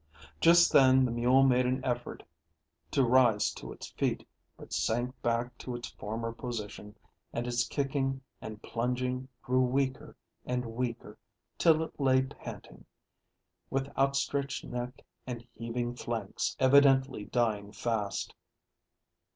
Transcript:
Just then the mule made an effort to rise to its feet, but sank back to its former position, and its kicking and plunging grew weaker and weaker, till it lay panting, with outstretched neck and heaving flanks, evidently dying fast.